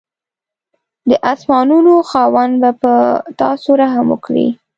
د اسمانانو خاوند به په تاسو رحم وکړي.